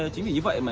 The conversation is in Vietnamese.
chính vì như vậy mà